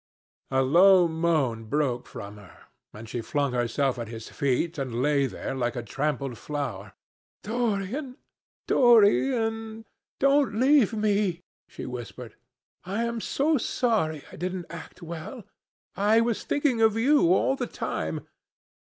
A low moan broke from her, and she flung herself at his feet and lay there like a trampled flower. "Dorian, Dorian, don't leave me!" she whispered. "I am so sorry I didn't act well. I was thinking of you all the time.